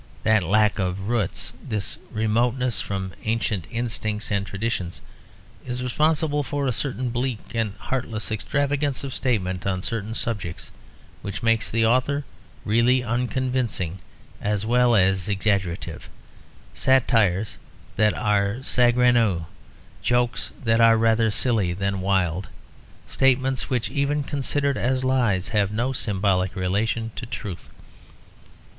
That lack of roots, this remoteness from ancient instincts and traditions is responsible for a certain bleak and heartless extravagance of statement on certain subjects which makes the author really unconvincing as well as exaggerative; satires that are saugrenu, jokes that are rather silly than wild, statements which even considered as lies have no symbolic relation to truth.